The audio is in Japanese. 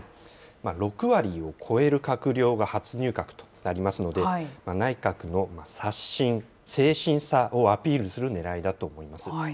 ６割を超える閣僚が初入閣となりますので、内閣の刷新、清新さをアピールするねらいだと思います。